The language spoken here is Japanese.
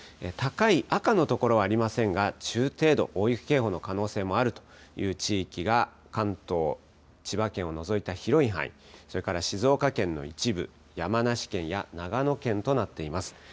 高い赤の所はありませんが、中程度、大雪警報の可能性もあるという地域が、関東、千葉県を除いた広い範囲、それから静岡県の一部、山梨県や長野県となっています。